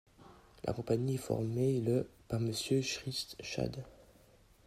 La compagnie est formée le par monsieur Christ Schad.